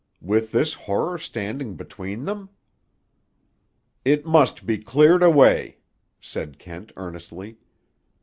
With this horror standing between them!" "It must be cleared away," said Kent earnestly.